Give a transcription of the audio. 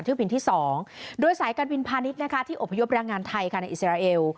บินที่๒โดยสายการบินพาณิชย์นะคะที่อบพยพแรงงานไทยค่ะในอิสราเอล